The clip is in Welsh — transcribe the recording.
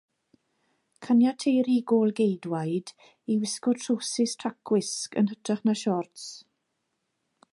Caniateir i gôl-geidwaid i wisgo trowsus tracwisg yn hytrach na siorts.